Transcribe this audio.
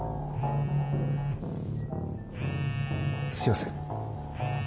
すみません。